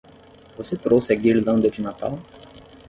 Você trouxe a guirlanda de Natal?